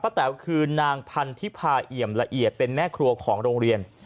แต๋วคือนางพันธิพาเอี่ยมละเอียดเป็นแม่ครัวของโรงเรียน